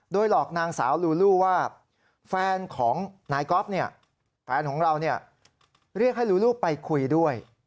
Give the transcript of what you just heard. โดยหลอกนางสาวลูลูว่าแฟนของนายก๊อฟแฟนของเราเรียกให้ลูลูไปคุยด้วย